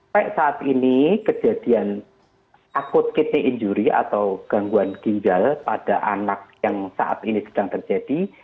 baik saat ini kejadian akut kidney injury atau gangguan ginjal pada anak yang saat ini sedang terjadi